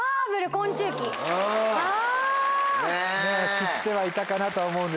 知ってはいたかなとは思うんですけどね。